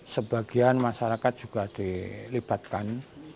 sebagian masyarakat juga dilibatkan